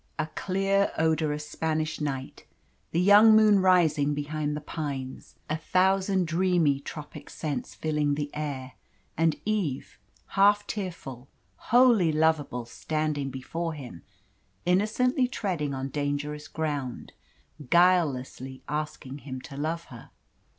A clear, odorous Spanish night, the young moon rising behind the pines, a thousand dreamy tropic scents filling the air. And Eve, half tearful, wholly lovable, standing before him, innocently treading on dangerous ground, guilelessly asking him to love her.